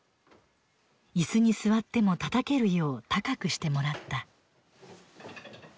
椅子に座ってもたたけるよう高くしてもらった。